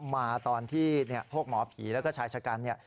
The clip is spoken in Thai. มาตอนที่พวกหมอผีและชายชะกัน